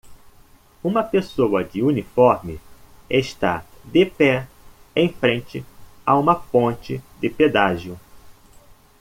Uma pessoa de uniforme está de pé em frente a uma ponte de pedágio